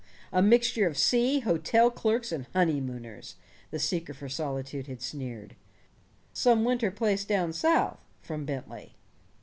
"A mixture of sea, hotel clerks, and honeymooners!" the seeker for solitude had sneered. "Some winter place down South," from Bentley.